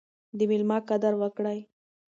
د میلمه قدر وکړئ.